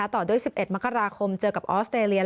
ต่อด้วย๑๑มกราคมเจอกับออสเตรเลีย